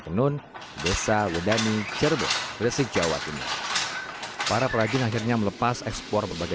tenun desa wudani cerbong resik jawa timur para prajin akhirnya melepas ekspor berbagai